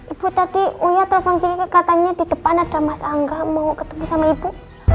ibu tadi uya telepon katanya di depan ada mas angga mau ketemu sama ibu